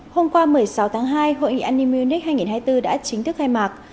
hôm qua một mươi sáu tháng hai hội nghị an ninh munich hai nghìn hai mươi bốn đã chính thức khai mạc